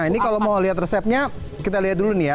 nah ini kalau mau lihat resepnya kita lihat dulu nih ya